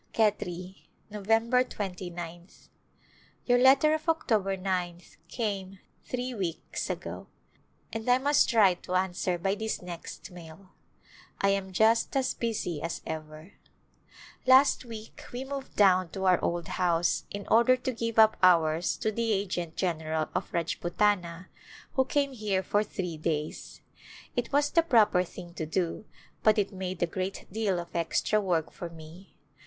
Khetri^ November 2gth. Your letter of October 9th came three weeks ago [ 329] A Glimpse of India and I must try to answer by this next mail. I am just as busy as ever. Last week we moved down to our old house in order to give up ours to the Agent General of Rajpu tana who came here for three days. It was the proper thing to do but it made a great deal of extra work for me.